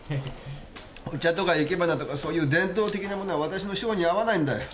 お茶とか生け花とかそういう伝統的なものはわたしの性に合わないんだよ。